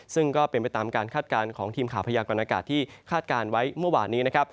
ซึ่งก็เป็นไปตามการคาดการณ์ของทีมข่าวพยากรณากาศที่คาดการณ์ไว้เมื่อวานนี้นะครับ